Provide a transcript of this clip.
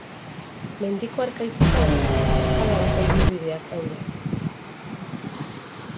Mendiko harkaitzetan, eskaladako ibilbideak daude.